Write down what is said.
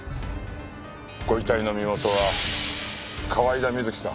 ご遺体の身元は河井田瑞希さん。